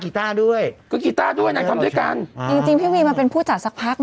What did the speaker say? ต้าด้วยก็กีต้าด้วยนางทำด้วยกันอ่าจริงจริงพี่วีมาเป็นผู้จัดสักพักอ่ะ